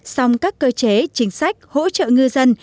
song các cơ chế chính sách hỗ trợ ngư dân